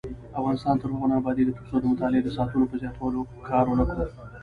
افغانستان تر هغو نه ابادیږي، ترڅو د مطالعې د ساعتونو په زیاتوالي کار ونکړو.